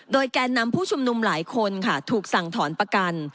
โดยแกนนำผู้ชุมนุมหลายคนค่ะถูกสั่งถอนประกัน